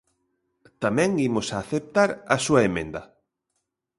Tamén imos aceptar a súa emenda.